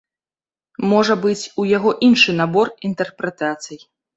Можа быць, у яго іншы набор інтэрпрэтацый.